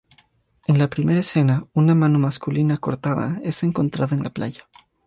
En la primera escena una mano masculina cortada es encontrada en la playa.